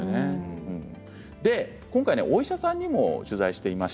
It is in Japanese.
今回、お医者さんにも取材しています。